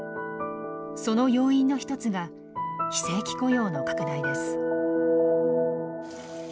その要因の一つが非正規雇用の拡大です。